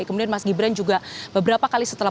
kemudian mas gibran juga beberapa kali setelah